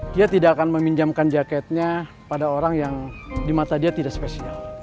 dia tidak akan meminjamkan jaketnya pada orang yang di mata dia tidak spesial